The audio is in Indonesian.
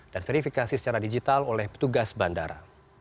dan verifikasi secara digital oleh petugas bandara